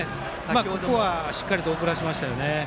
ここはしっかりと送らせましたよね。